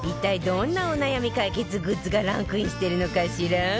どんなお悩み解決グッズがランクインしてるのかしら？